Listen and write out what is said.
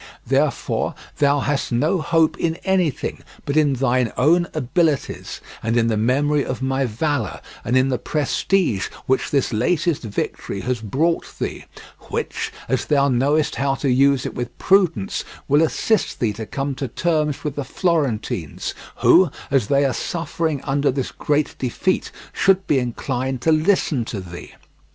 Therefore, thou hast no hope in anything but in thine own abilities, and in the memory of my valour, and in the prestige which this latest victory has brought thee; which, as thou knowest how to use it with prudence, will assist thee to come to terms with the Florentines, who, as they are suffering under this great defeat, should be inclined to listen to thee.